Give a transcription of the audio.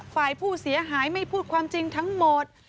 ฝ่ายผู้เสียหายไม่พูดความจริงทั้งหมด